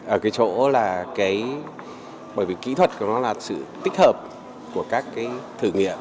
ở cái chỗ là cái bởi vì kỹ thuật của nó là sự tích hợp của các cái thử nghiệm